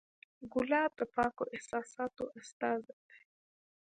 ګلاب د پاکو احساساتو استازی دی.